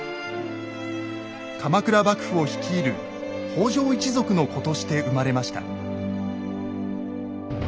鎌倉幕府を率いる北条一族の子として生まれました。